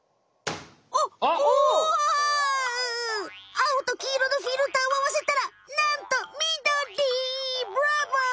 あおときいろのフィルターをあわせたらなんとみどりブラボー！